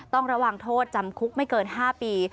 ต้องระวังโทษจำคุกไม่เกิน๕ปี